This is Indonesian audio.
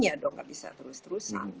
tidak bisa terus terusan